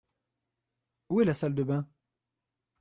Où est la salle de bains ?